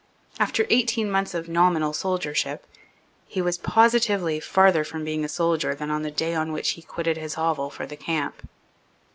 After eighteen months of nominal soldiership, he was positively farther from being a soldier than on the day on which he quilted his hovel for the camp.